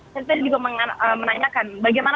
saya juga menanyakan bagaimana